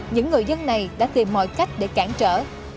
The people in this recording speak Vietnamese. những người dân này đã tìm mọi cách để cản trở